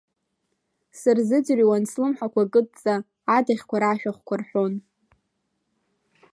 Сырзыӡырҩуан слымҳақәа кыдҵа, адаӷьқәа рашәахәқәа рҳәон.